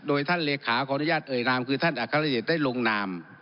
โดยท่านเลขาขออนุญาตเอ่ยนามคือท่านอัครเดชได้ลงนาม